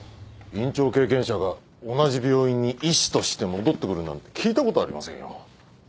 院長経験者が同じ病院に医師として戻ってくるなんて聞いたことありませんよ。